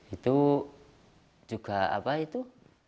itu juga apa itu